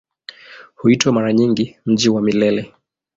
Huitwa mara nyingi "Mji wa Milele".